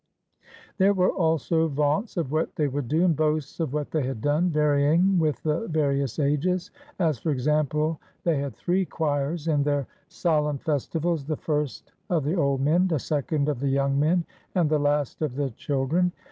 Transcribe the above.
There were also vaunts of what they would do, and boasts of what they had done, varying with the various ages, as, for example, they had three choirs in their solemn 48 HOW THE SPARTAN BOYS WERE TRAINED festivals, the first of the old men, the second of the young men, and the last of the children.